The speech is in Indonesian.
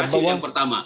pada hasil yang pertama